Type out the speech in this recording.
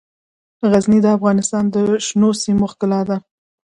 غزني د افغانستان د شنو سیمو ښکلا ده.